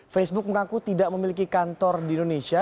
facebook mengaku tidak memiliki kantor di indonesia